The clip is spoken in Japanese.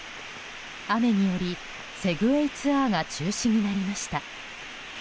雨により、セグウェイツアーが中止になりました。